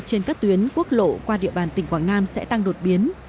trên các tuyến quốc lộ qua địa bàn tỉnh quảng nam sẽ tăng đột biến